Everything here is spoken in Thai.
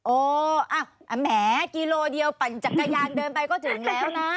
แหมกิโลเดียวปั่นจักรยานเดินไปก็ถึงแล้วนะ